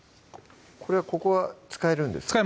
これはここは使えるんですか？